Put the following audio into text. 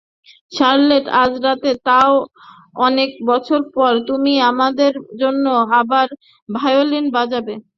Charlotte আজ রাতে তাও অনেক বছর পর, তুমি আমাদের জন্য আবার ভায়োলিন বাজাবে।